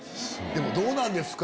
どうなんですか？